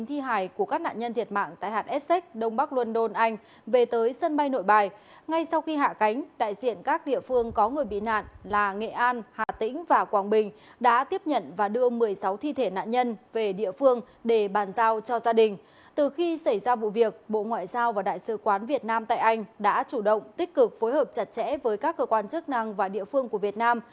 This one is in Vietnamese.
từ khi xảy ra vụ việc bộ ngoại giao và đại sứ quán việt nam tại anh đã chủ động tích cực phối hợp chặt chẽ với các cơ quan chức năng và địa phương của việt nam